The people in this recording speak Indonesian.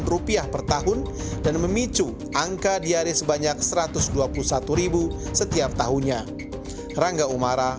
rp satu per tahun dan memicu angka diari sebanyak satu ratus dua puluh satu ribu setiap tahunnya rangka umara